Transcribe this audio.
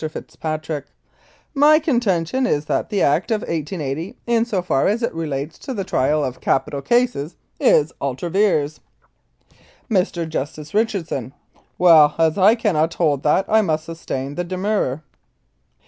Fitzpatrick :" My contention is that the Act of 1880, in so far as it relates to the trial of capital cases, is ultra vires." Mr. Justice Richardson :" Well, as I cannot hold that, I must sustain the demurrer."